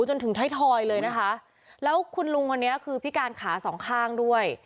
จนถึงไทยทอยเลยนะคะแล้วคุณลุงคนนี้คือพิการขาสองข้างด้วย